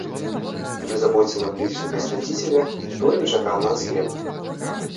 Калі забойца наблізіўся да свяціцеля, то нечакана аслеп.